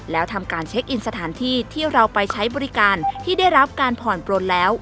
แล้วทำการเช็คอินสถานที่ที่เราไปใช้บริการที่ได้รับการผ่อนปลนแล้ว